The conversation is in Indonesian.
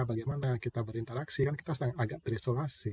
bagaimana kita berinteraksi kan kita sedang agak terisolasi